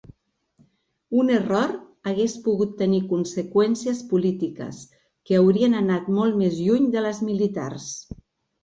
Un error hagués pogut tenir conseqüències polítiques, que haurien anat molt més lluny de les militars.